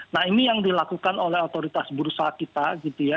nah ini yang dilakukan oleh otoritas bursa kita gitu ya